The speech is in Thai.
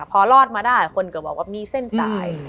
พอรอดมาได้คนก็บอกว่ามีเส้นสาย